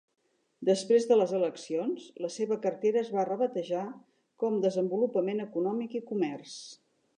Després de les eleccions, la seva cartera es va rebatejar com "Desenvolupament econòmic i Comerç".